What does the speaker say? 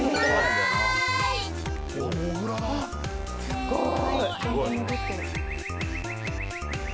すごい。